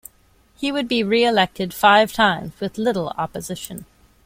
He would be re-elected five times with little opposition.